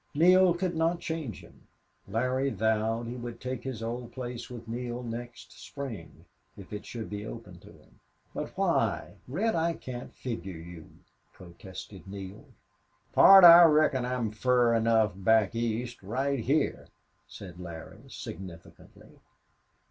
Neale could not change him. Larry vowed he would take his old place with Neale next spring, if it should be open to him. "But why? Red, I can't figure you," protested Neale. "Pard, I reckon I'm fur enough back east right heah," said Larry, significantly.